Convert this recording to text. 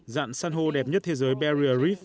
dạng san hô đẹp nhất thế giới barrier reef